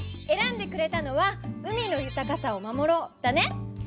えらんでくれたのは「海の豊かさを守ろう」だね！